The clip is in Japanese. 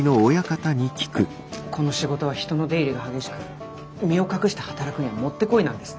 この仕事は人の出入りが激しく身を隠して働くにはもってこいなんですね。